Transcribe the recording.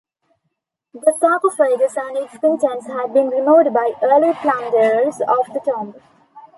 The sarcophagus and its contents had been removed by early plunderers of the tomb.